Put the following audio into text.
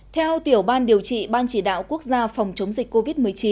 theo tiểu ban điều trị ban chỉ đạo quốc gia phòng chống dịch covid một mươi chín